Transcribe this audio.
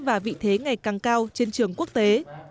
và vị thế ngày càng cao trên trường quốc tế